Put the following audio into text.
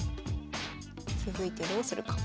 続いてどうするか。